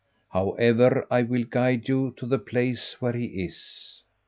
However, I will guide you to the place where he is."